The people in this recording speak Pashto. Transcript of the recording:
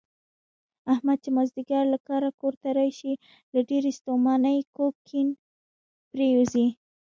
احمد چې مازدیګر له کاره کورته راشي، له ډېرې ستومانۍ کوږ کیڼ پرېوځي.